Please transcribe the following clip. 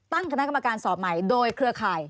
ตั้งคณะกรรมการสอบใหม่โดยเครือข่าย